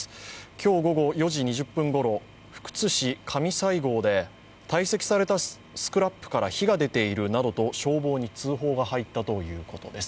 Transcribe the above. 今日午後４時２０分頃、福津市上西郷で堆積されたスクラップから火が出ているなどと消防に通報が入ったということです。